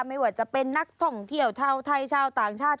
ไม่ว่าจะเป็นนักท่องเที่ยวชาวไทยชาวต่างชาติ